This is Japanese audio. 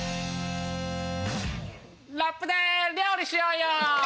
ラップで料理しようよ！